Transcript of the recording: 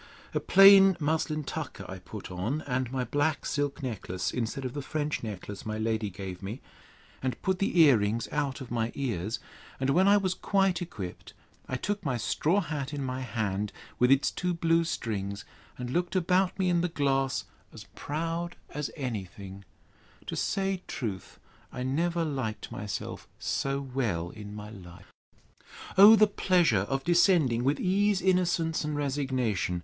A plain muslin tucker I put on, and my black silk necklace, instead of the French necklace my lady gave me; and put the ear rings out of my ears; and when I was quite equipped, I took my straw hat in my hand, with its two blue strings, and looked about me in the glass, as proud as any thing—To say truth, I never liked myself so well in my life. O the pleasure of descending with ease, innocence, and resignation!